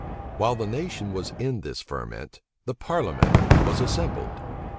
While the nation was in this ferment, the parliament was assembled.